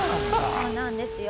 そうなんですよ。